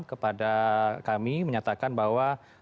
kepada kami menyatakan bahwa